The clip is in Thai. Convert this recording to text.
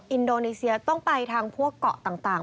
อินโดนีเซียต้องไปทางพวกเกาะต่าง